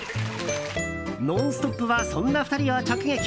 「ノンストップ！」はそんな２人を直撃。